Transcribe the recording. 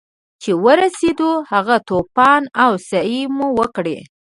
چې ورسېدو هغه طواف او سعيې مو وکړې.